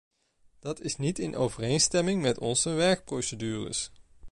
Dat is niet in overeenstemming met onze werkprocedures!